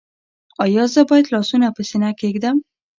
ایا زه باید لاسونه په سینه کیږدم؟